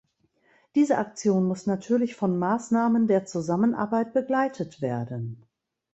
Diese Aktion muss natürlich von Maßnahmen der Zusammenarbeit begleitet werden.